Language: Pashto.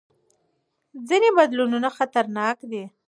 ځینې بدلونونه خطرناک دي.